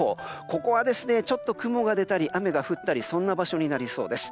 ここはちょっと雲が出たり雨が降ったりそんな場所になりそうです。